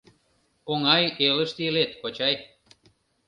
— Оҥай элыште илет, кочай.